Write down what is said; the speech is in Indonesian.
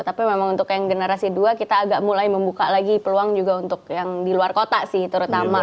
tapi memang untuk yang generasi dua kita agak mulai membuka lagi peluang juga untuk yang di luar kota sih terutama